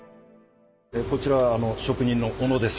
こちら職人の小野です。